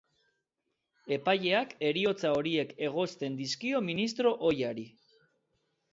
Epaileak heriotza horiek egozten dizkio ministro ohiari.